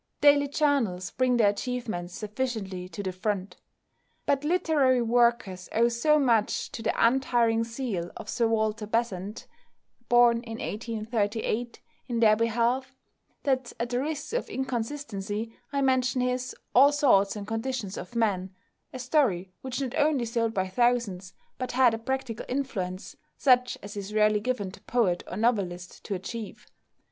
The daily journals bring their achievements sufficiently to the front. But literary workers owe so much to the untiring zeal of =Sir Walter Besant (1838 )= in their behalf, that at the risk of inconsistency I mention his "All Sorts and Conditions of Men," a story which not only sold by thousands, but had a practical influence such as is rarely given to poet or novelist to achieve.